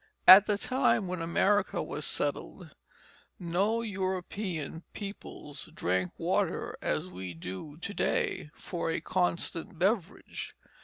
At the time when America was settled, no European peoples drank water as we do to day, for a constant beverage.